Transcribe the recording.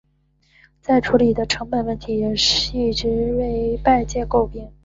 再处理的成本问题也一直为外界诟病。